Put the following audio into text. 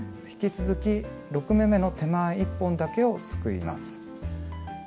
引き続き６目めの手前１本だけをすくいます。